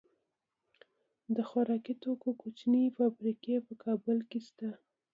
د خوراکي توکو کوچنۍ فابریکې په کابل کې شته.